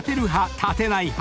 立てない派？］